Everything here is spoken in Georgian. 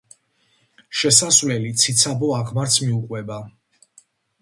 შესასვლელი ციცაბო აღმართს მიუყვება.